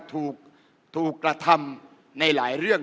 ถูกกระทำในหลายเรื่อง